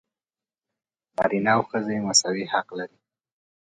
نارینه او ښځې مساوي حق لري.